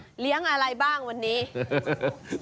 สอบถามว่าเลี้ยงอะไรบ้างวันนี้